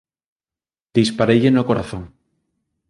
Dispareille no corazón!